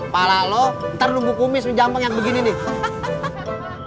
pala lo ntar nunggu kumis jambang yang begini nih